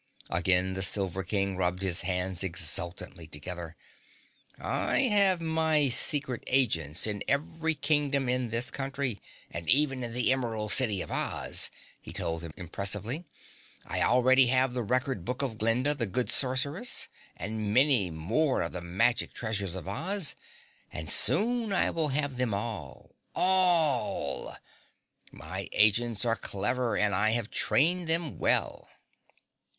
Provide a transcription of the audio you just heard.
Again the Silver King rubbed his hands exultantly together. "I have my secret agents in every Kingdom in this country and even in the Emerald City of Oz," he told them impressively. "I already have the Record Book of Glinda, the Good Sorceress, and many more of the magic treasures of Oz, and soon I will have them all ALL! My agents are clever and I have trained them well."